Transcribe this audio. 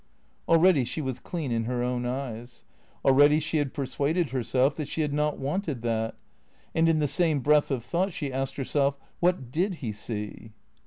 Already she was clean in her own eyes. Already she had per suaded herself that she had not wanted that. And in the same breath of thought she asked herself, " What did he see